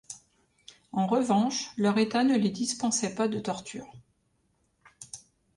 En revanche, leur état ne les dispensaient pas de torture.